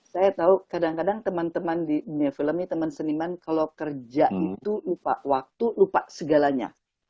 saya tahu kadang kadang teman teman di dunia film ini teman seniman kalau kerja itu lupa waktu lupa segalanya